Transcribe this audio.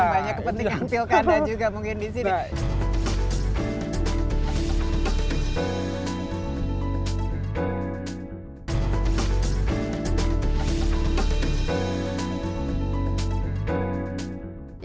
banyak kepentingan pilkada juga mungkin di sini